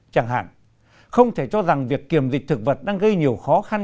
chẳng hạn không thể cho rằng việc kiềm dịch thực vật đang gây nhiều khó khăn